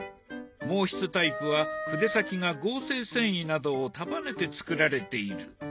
毛筆タイプは筆先が合成繊維などを束ねて作られている。